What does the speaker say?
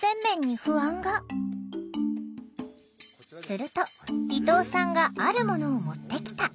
すると伊藤さんがあるものを持ってきた。